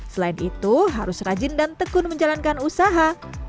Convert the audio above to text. selain itu harus rajin dan tekun menjalankan usaha